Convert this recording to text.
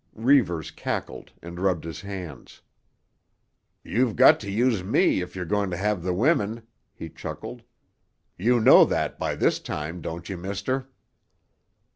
Reivers cackled and rubbed his hands. "You've got to use me if you're going to have the women," he chuckled. "You know that by this time, don't you, mister?"